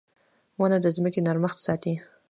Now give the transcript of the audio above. • ونه د ځمکې نرمښت ساتي.